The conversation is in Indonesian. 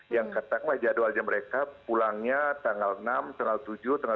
yang katakanlah jadwalnya mereka pulangnya tanggal enam tanggal tujuh tanggal